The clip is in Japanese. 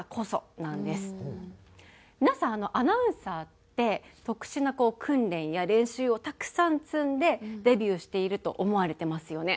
皆さんアナウンサーって特殊な訓練や練習をたくさん積んでデビューしていると思われてますよね。